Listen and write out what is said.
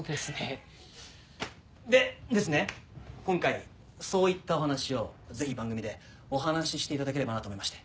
今回そういったお話をぜひ番組でお話ししていただければなと思いまして。